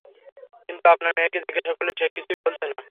কিন্তু আপনার মেয়েকে জিজ্ঞাসা করলে সে কিছুই বলছে না।